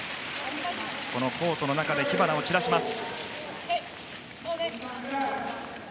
このコートの中で火花を散らします。